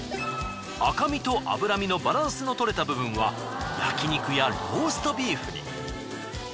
赤身と脂身のバランスのとれた部分は焼肉やローストビーフに。